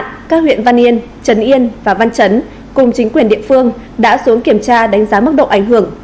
các huyện văn yên trấn yên và văn chấn cùng chính quyền địa phương đã xuống kiểm tra đánh giá mức độ ảnh hưởng